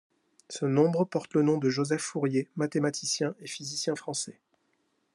Ce nombre porte le nom de Joseph Fourier, mathématicien et physicien français.